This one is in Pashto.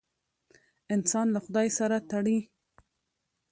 انسان له خدای سره تړي.